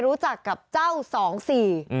รู้จักกับเจ้าสองสี่